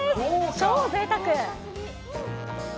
超ぜいたく。